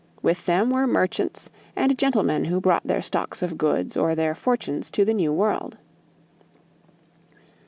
With them were merchants and gentlemen who brought their stocks of goods or their fortunes to the New World.